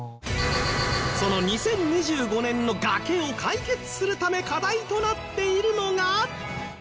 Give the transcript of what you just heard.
その２０２５年の崖を解決するため課題となっているのが。